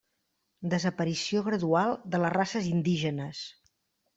Desaparició gradual de les races indígenes.